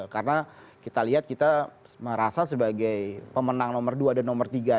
karena kita lihat kita merasa sebagai pemenang nomor dua dan nomor tiga di dki ini